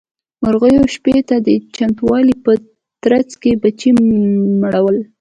مرغيو شپې ته د چمتووالي په ترڅ کې بچي مړول.